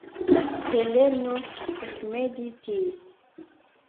Heleno ekmeditis.